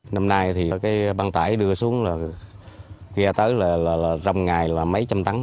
năm nay thì cái băng tải đưa xuống là ghe tới là trong ngày là mấy trăm tấn